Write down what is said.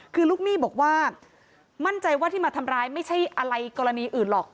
คือลูกหนี้บอกว่ามั่นใจว่าที่มาทำร้ายไม่ใช่อะไรกรณีอื่นหรอก